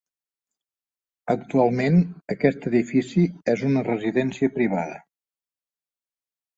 Actualment aquest edifici és una residència privada.